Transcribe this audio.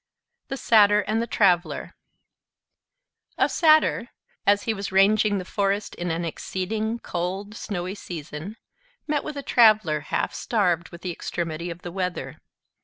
THE SATYR AND THE TRAVELER A Satyr, as he was ranging the forest in an exceeding cold, snowy season, met with a Traveler half starved with the extremity of the weather.